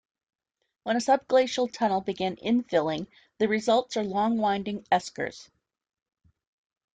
When a subglacial tunnel began infilling, the results are long winding eskers.